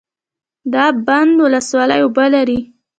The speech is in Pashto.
د اب بند ولسوالۍ اوبه لري